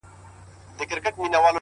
o ستا د تن سايه مي په وجود كي ده؛